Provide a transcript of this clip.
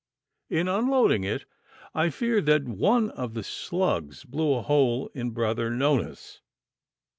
In unloading it I fear that one of the slugs blew a hole in brother Nonus.